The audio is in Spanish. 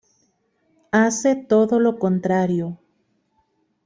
Hace todo lo contrario.